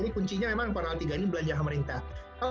kunci yang penting adalah belanja pemerintah